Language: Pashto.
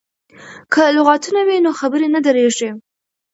که لغتونه وي نو خبرې نه دریږي.